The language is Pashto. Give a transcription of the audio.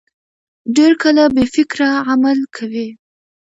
ډېر کله بې فکره عمل کوي.